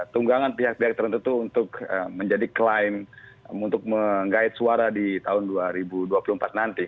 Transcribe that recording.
tunggangan pihak pihak tertentu untuk menjadi klaim untuk menggait suara di tahun dua ribu dua puluh empat nanti